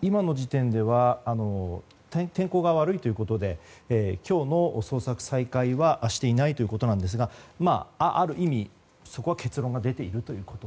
今の時点では天候が悪いということで今日の捜索再開はしていないということですがある意味、そこは結論が出ているということ。